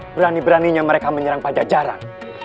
berani beraninya mereka menyerang pajajaran